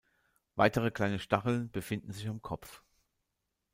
Weitere kleine Stacheln befinden sich am Kopf.